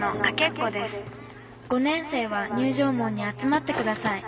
５年生は入場門に集まってください」。